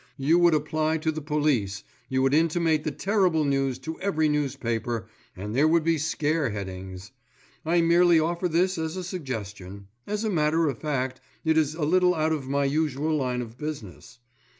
You would apply to the police, you would intimate the terrible news to every newspaper, and there would be scare headings. I merely offer this as a suggestion. As a matter of fact, it is a little out of my usual line of business.